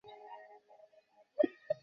তোমাকে আমার প্রশ্নের উত্তর দিতে হবে পূজা।